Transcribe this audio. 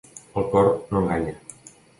El cor no enganya.